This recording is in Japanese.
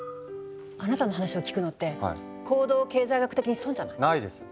あなたの話を聞くのって行動経済学的に損じゃない？ないです！